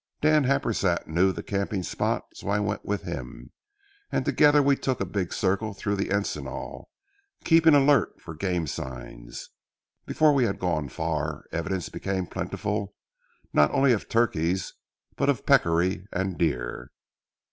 Dan Happersett knew the camping spot, so I went with him, and together we took a big circle through the encinal, keeping alert for game signs. Before we had gone far, evidence became plentiful, not only of turkeys, but of peccary and deer.